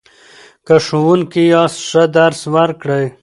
که ښوونکی یاست ښه درس ورکړئ.